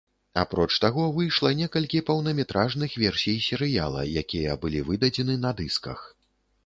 Апроч таго, выйшла некалькі поўнаметражных версій серыяла, якія былі выдадзены на дысках.